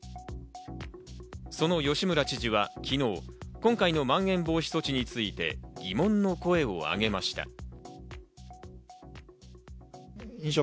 その吉村知事は昨日、今回のまん延防止措置について疑問の声をあげました。